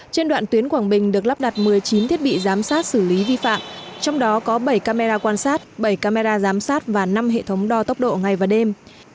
trên đoạn tuyến quảng bình được lắp đặt một mươi chín thiết bị giám sát xử lý vi phạm trong đó có bảy camera quan sát bảy camera giám sát và năm hệ thống đo tốc độ ngày và đêm